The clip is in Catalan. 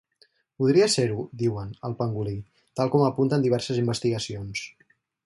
Podria ser-ho, diuen, el pangolí, tal com apunten diverses investigacions.